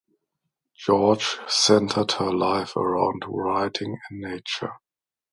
George centered her life around writing and nature.